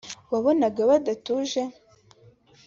wabonaga badatuje